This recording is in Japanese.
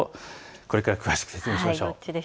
これから詳しく説明しましょう。